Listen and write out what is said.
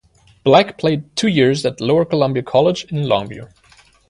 Black played two years at Lower Columbia College in Longview.